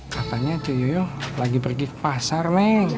katanya cuy yoyo lagi pergi ke pasar neng